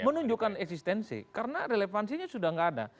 menunjukkan eksistensi karena relevansinya sudah tidak ada